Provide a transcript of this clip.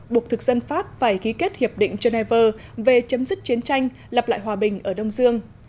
buộc thực dân pháp phải ghi kết hiệp định geneva về chấm dứt chiến tranh lập lại hòa bình ở đông dương